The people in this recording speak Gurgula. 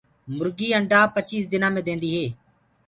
مرگي انڊآ پچيس دنآ تآئينٚ ديندي هي۔